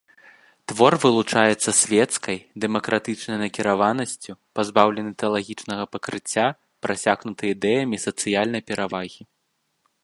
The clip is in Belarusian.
Твор вылучаецца свецкай, дэмакратычнай накіраванасцю, пазбаўлены тэалагічнага пакрыцця, прасякнуты ідэямі сацыяльнай перавагі.